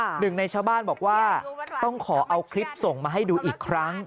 หนึ่งในชาวบ้านบอกว่าต้องขอเอาคลิปส่งมาให้ดูอีกครั้ง